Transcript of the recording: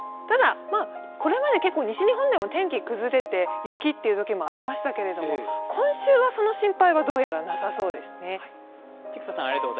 これまで結構西日本でも天気崩れて雪というときもありましたけど、今週はその心配はなさそうです。